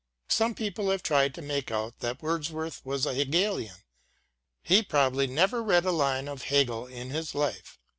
Some people have tried to make out that Wordsworth was a Hegelian — ^he probably never read a line of Hegel in his life.